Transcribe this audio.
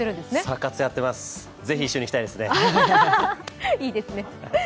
サ活やってます、ぜひ一緒に行きたいですね。